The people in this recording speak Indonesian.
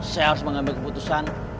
saya harus mengambil keputusan